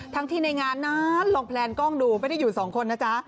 ทั้งที่ในงานนั้นลองแพลนกล้องดูไม่ได้อยู่สองคนนะจ๊ะ